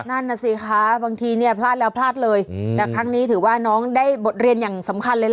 นั่นน่ะสิคะบางทีเนี่ยพลาดแล้วพลาดเลยแต่ครั้งนี้ถือว่าน้องได้บทเรียนอย่างสำคัญเลยล่ะ